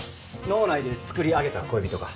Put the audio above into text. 「脳内で作りあげた恋人か？」